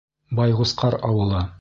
Байғусҡар ауылы.